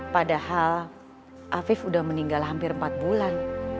padahal afif sudah meninggal hampir empat bulan